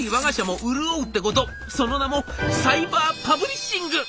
その名もサイバーパブリッシング！」。